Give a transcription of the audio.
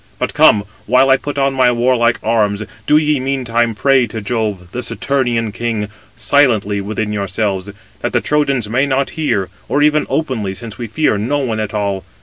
But come, while I put on my warlike arms, do ye meantime pray to Jove, the Saturnian king, silently within yourselves, that the Trojans may not hear; or even openly, since we fear no one at all.